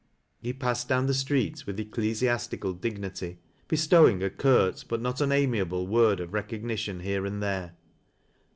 He passed down the street with ecclesiastical dignity, bestowing a curt, but not unamiable word of recognition laere and there.